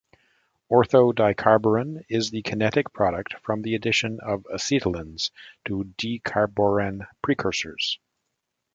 Ortho dicarborane is the kinetic product from the addition of acetylenes to decarborane precursors.